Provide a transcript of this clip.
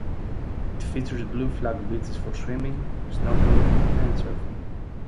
It features Blue Flag Beaches for swimming, snorkelling, and surfing.